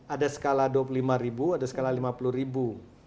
ada skala dua puluh lima ribu ada skala lima puluh ribu